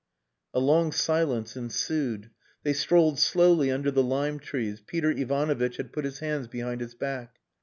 A long silence ensued. They strolled slowly under the lime trees. Peter Ivanovitch had put his hands behind his back.